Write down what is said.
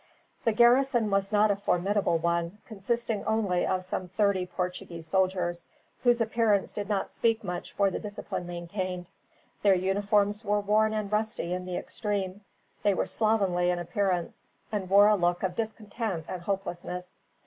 The garrison was not a formidable one, consisting only of some thirty Portuguese soldiers, whose appearance did not speak much for the discipline maintained. Their uniforms were worn and rusty in the extreme. They were slovenly in appearance, and wore a look of discontent and hopelessness.